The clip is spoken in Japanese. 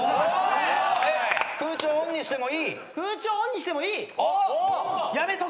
空調ＯＮにしてもいい？